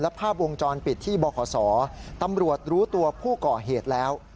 ภาพวงจรปิดที่บขตำรวจรู้ตัวผู้ก่อเหตุแล้ว